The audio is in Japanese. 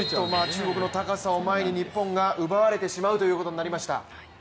中国の高さを前に日本が奪われてしまうということになりました。